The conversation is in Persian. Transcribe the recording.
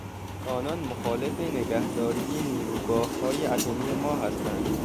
آنان مخالف نگهداری نیروگاههای اتمی ما هستند.